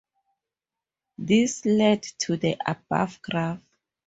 This led to the above graph.